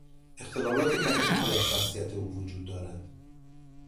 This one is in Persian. اختلالات معدودی در شخصیت او وجود دارد.